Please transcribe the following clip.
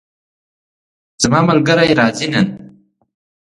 زما ملګری راځي نن